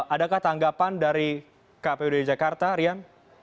adakah tanggapan dari kpu dki jakarta rian